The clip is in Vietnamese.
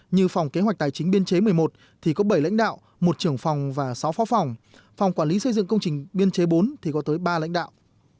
như phòng kế hoạch tài chính biên chế một mươi một thì có bảy lãnh đạo một trưởng phòng và sáu phó phòng phòng quản lý xây dựng công trình biên chế bốn thì có tới ba lãnh đạo